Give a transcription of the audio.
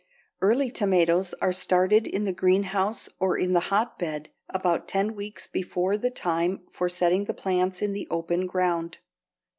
Early tomatoes are started in the greenhouse or in the hotbed about ten weeks before the time for setting the plants in the open ground.